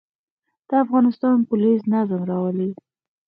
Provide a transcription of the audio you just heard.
د افغانستان پولیس نظم راولي